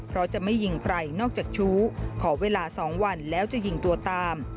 เพราะจะไม่ยิงใครนอกจากชู้ขอเวลา๒วันแล้วจะยิงตัวตาม